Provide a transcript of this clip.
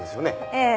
ええ。